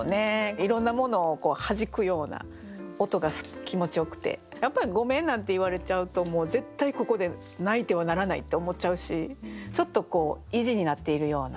いろんなものをはじくような音が気持ちよくてやっぱり「ごめん」なんて言われちゃうともう絶対ここで泣いてはならないって思っちゃうしちょっと意地になっているような。